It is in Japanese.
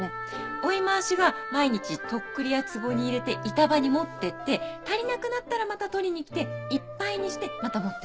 追い回しが毎日とっくりやつぼに入れて板場に持っていって足りなくなったらまた取りに来ていっぱいにしてまた持っていく。